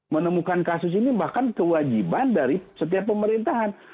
menemukan kasus ini bahkan kewajiban dari setiap pemerintahan